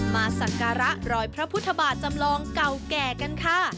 สักการะรอยพระพุทธบาทจำลองเก่าแก่กันค่ะ